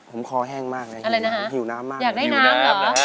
อะไรนะฮะอยากได้น้ำเหรอ